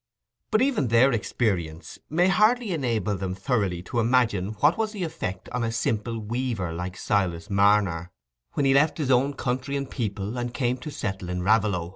But even their experience may hardly enable them thoroughly to imagine what was the effect on a simple weaver like Silas Marner, when he left his own country and people and came to settle in Raveloe.